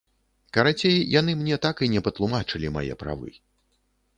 Карацей, яны мне так і не патлумачылі мае правы.